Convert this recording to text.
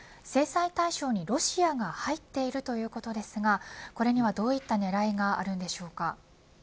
制裁対象にロシアが入っているということですがこれにはどういった狙いがあるのでしょうか。